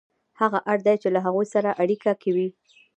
هغه اړ دی چې له هغوی سره په اړیکه کې وي